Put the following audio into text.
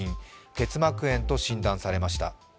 結膜炎と診断されました。